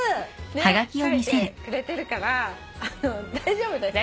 ねっ描いてくれてるから大丈夫です。